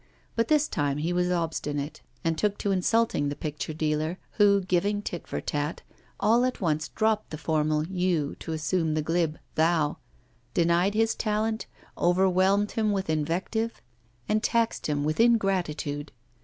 But this time he was obstinate, and took to insulting the picture dealer, who, giving tit for tat, all at once dropped the formal 'you' to assume the glib 'thou,' denied his talent, overwhelmed him with invective, and taxed him with ingratitude.